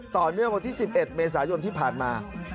ต่อเนื่องวันที่๑๑เมษายนที่ผ่านมา